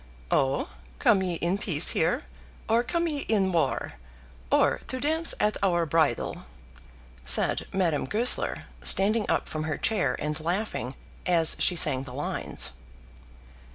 "Oh, come ye in peace here, or come ye in war, or to dance at our bridal?" said Madame Goesler, standing up from her chair and laughing, as she sang the lines.